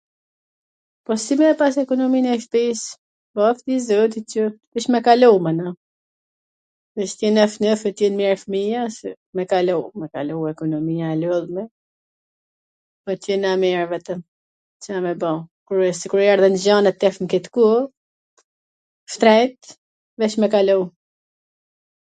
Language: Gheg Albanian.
po si me e pas ekonomin e shpis, po thuj zotit qw..., veC me kalu mana, veC t jena t gjith, t jen mir fmija se ... me kalu, me kalu, ekonomia e lodhme, po t' jena mir vetwm Ca me ba, sikur erdhwn gjanat keq nw ket kooh, shtreejt, veC me kalu